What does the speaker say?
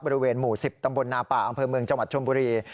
บริเวณหมู่๑๐ตำบลนาป่าอำเภอเมืองจังหวัดชนบุรี